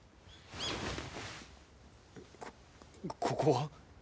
こここは？